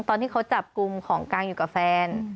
ตอนที่เขาจับกลุ่มของกลางอยู่กับแฟน